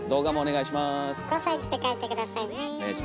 「５さい」って書いて下さいね。